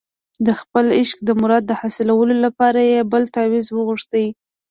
د خپل عشق د مراد د حاصلولو لپاره یې بل تاویز وغوښت.